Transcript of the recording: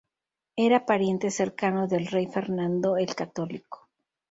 Era pariente cercano del rey Fernando el Católico.